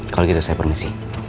kalau gitu saya permisi